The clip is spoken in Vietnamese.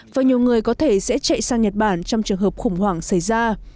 và nhiều người có thể sẽ chạy sang nhật bản trong trường hợp khủng hoảng xảy ra